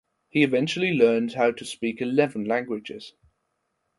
He eventually learned how to speak eleven languages.